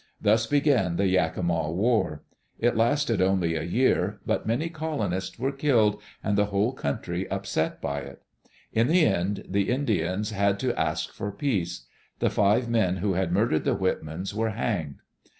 Thus began the Yakima war. It lasted only a year, but many colonists were killed and the whole country upset by it In the end the Indians had to ask for peace. The five men who had murdered the Whitmans were hanged.